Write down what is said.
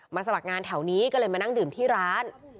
สมัครงานแถวนี้ก็เลยมานั่งดื่มที่ร้าน